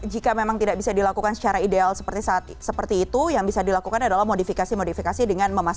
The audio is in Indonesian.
jika memang tidak bisa dilakukan secara ideal seperti itu yang bisa dilakukan adalah modifikasi modifikasi dengan memanfaatkan